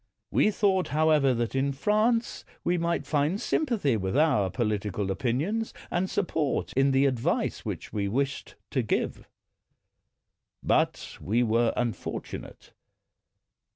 We thought, however, that in France we might find sympathy with our political opinions and support in the advice which we wished to give. But we were unfortunate.